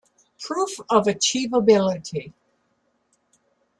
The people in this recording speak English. Proof of Achievability.